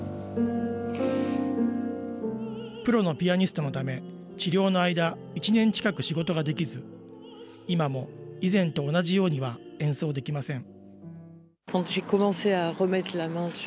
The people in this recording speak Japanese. プロのピアニストのため、治療の間、１年近く仕事ができず、今も以前と同じようには演奏できません。